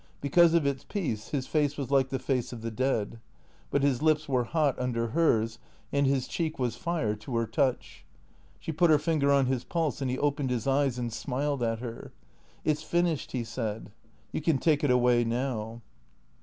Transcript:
Because of its peace his face was like the face of the dead. But his lips were hot under hers and his cheek was fire to her touch. She put her finger on his pulse and he opened his eyes and smiled at her. " It 's finished," he said. " You can take it away now."